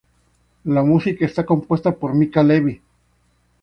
La música está compuesta por Mica Levi.